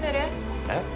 えっ？